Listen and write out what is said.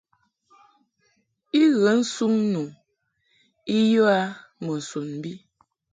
I ghə nsuŋ nu I yə a mbo sun bi.